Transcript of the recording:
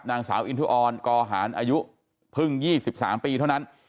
นางสาวอินทุออนกอหารอายุเพิ่ง๒๓ปีเท่านั้น